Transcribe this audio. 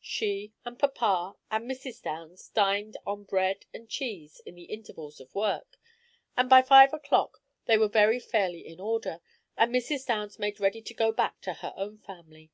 She and papa and Mrs. Downs dined on bread and cheese in the intervals of work, and by five o'clock they were very fairly in order, and Mrs. Downs made ready to go back to her own family.